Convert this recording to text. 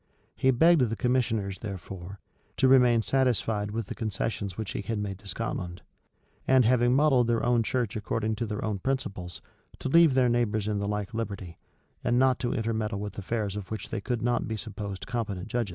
[] He begged the commissioners, therefore, to remain satisfied with the concessions which he had made to Scotland; and having modelled their own church according to their own principles, to leave their neighbors in the like liberty, and not to intermeddle with affairs of which they could not be supposed competent judges.